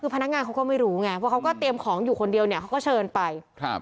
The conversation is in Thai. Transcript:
คือพนักงานเขาก็ไม่รู้ไงเพราะเขาก็เตรียมของอยู่คนเดียวเนี่ยเขาก็เชิญไปครับ